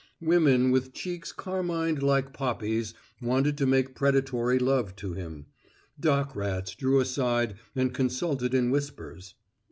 Women with cheeks carmined like poppies wanted to make predatory love to him; dock rats drew aside and consulted in whispers.